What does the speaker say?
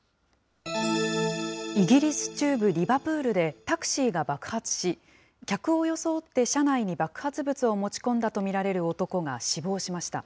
イギリス中部リバプールで、タクシーが爆発し、客を装って車内に爆発物を持ち込んだと見られる男が死亡しました。